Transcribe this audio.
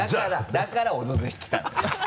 だから「オドぜひ」来たのよ。